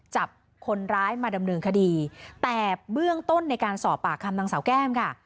จับคนร้ายมาดำเนินคดีแต่เบื้องต้นในการสอบปากคำนางสาวแก้มค่ะ